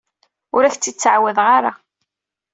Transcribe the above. Ur ak-t-id-ttɛawadeɣ ara.